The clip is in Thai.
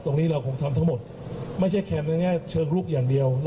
ตรงนี้เราคงทำทั้งหมดไม่ใช่แคมป์ในแง่เชิงลุกอย่างเดียว